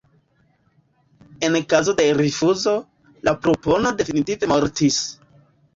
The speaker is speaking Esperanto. En kazo de rifuzo, la propono definitive mortis.